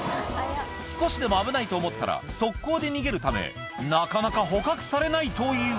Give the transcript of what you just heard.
少しでも危ないと思ったら、速攻で逃げるため、なかなか捕獲されないという。